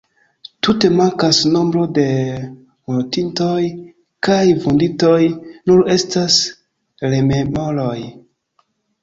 Tute mankas nombro de mortintoj kaj vunditoj, nur estas rememoroj.